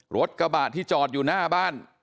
รถกระบะที่จอดอยู่หน้าบ้าน